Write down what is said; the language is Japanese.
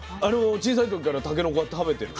小さい時からたけのこは食べてるの？